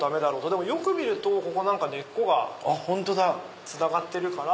でもよく見るとここ根っこがつながってるから。